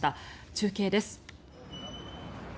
中継です。